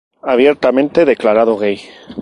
Abiertamente declarado gay.